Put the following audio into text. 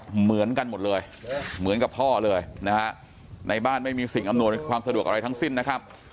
เหมือนกันหมดเลยเหมือนกับพ่อเลยนะฮะในบ้านไม่มีสิ่งอำนวยความสะดวกอะไรทั้งสิ้นนะครับ